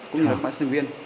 cũng như là các bạn sinh viên